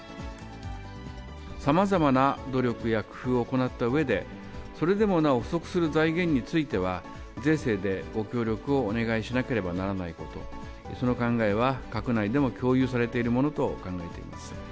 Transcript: さまざまな努力や工夫を行ったうえで、それでもなお不足する財源については、税制でご協力をお願いしなければならないこと、その考えは閣内でも共有されているものと考えています。